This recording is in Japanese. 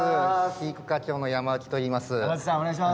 飼育課長の山内といいます。